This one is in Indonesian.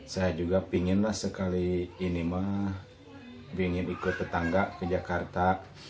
saya juga inginlah sekali ini mah ingin ikut tetangga ke jakarta